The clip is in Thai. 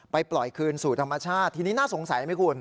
ปล่อยคืนสู่ธรรมชาติทีนี้น่าสงสัยไหมคุณ